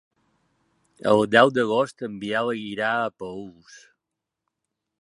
El deu d'agost en Biel irà a Paüls.